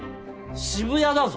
渋谷だぞ？